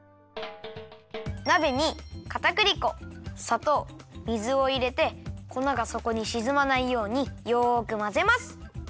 なべにかたくり粉さとう水をいれてこながそこにしずまないようによくまぜます。